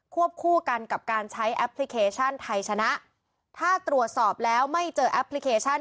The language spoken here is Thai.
วบคู่กันกับการใช้แอปพลิเคชันไทยชนะถ้าตรวจสอบแล้วไม่เจอแอปพลิเคชัน